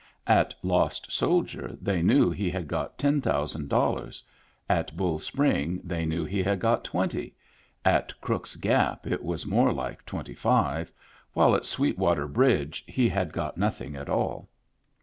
At Lost Soldier they knew he had got ten thousand dollars, at Bull Spring they knew he had got twenty, at Crook's Gap it was more like twenty five, while at Sweetwater Bridge he had got nothing at all.